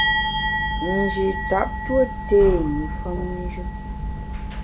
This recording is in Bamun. Nji tap tue té i femnjù.